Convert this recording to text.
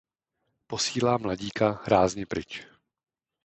Posílá mladíka rázně pryč.